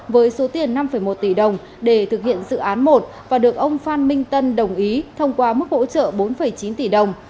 với số tiền năm một tỷ đồng để thực hiện dự án một và được ông phan minh tân đồng ý thông qua mức hỗ trợ bốn chín tỷ đồng